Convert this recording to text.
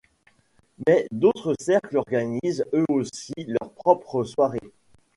Mais d’autres cercles organisent eux aussi leur propre soirée.